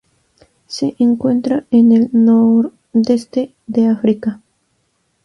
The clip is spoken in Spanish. Se encuentra en el nordeste de África.